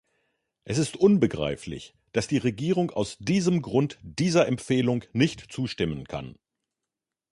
Es ist unbegreiflich, dass die Regierung aus diesem Grund dieser Empfehlung nicht zustimmen kann.